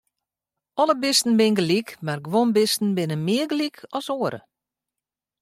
Alle bisten binne gelyk, mar guon bisten binne mear gelyk as oare.